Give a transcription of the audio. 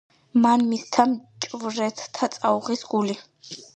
მან მისთა მჭვრეთთა წაუღის გული